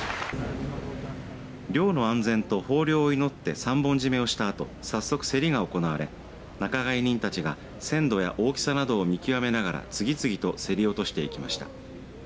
漁の安全と豊漁を祈って三本締めをしたあと早速競りが行われ仲買人たちが鮮度や大きさなどを見極めながら次々と競り落としていきました。